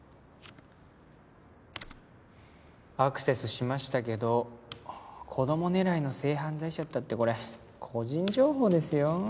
アクセスしましたけど子供狙いの性犯罪者ったってこれ個人情報ですよ。